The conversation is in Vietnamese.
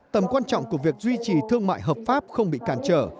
tầm quan trọng của việc duy trì thương mại hợp pháp không bị cản trở